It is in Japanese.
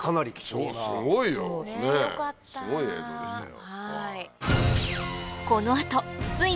すごい映像でしたよ。